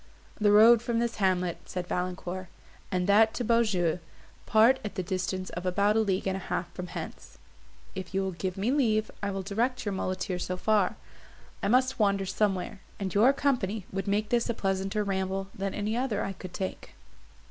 "The road from this hamlet," said Valancourt, "and that to Beaujeu, part at the distance of about a league and a half from hence; if you will give me leave, I will direct your muleteer so far. I must wander somewhere, and your company would make this a pleasanter ramble than any other I could take."